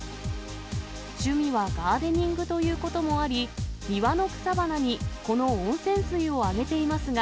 趣味はガーデニングということもあり、庭の草花にこの温泉水をあげていますが、